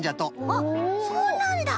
あっそうなんだ。